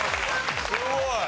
すごい。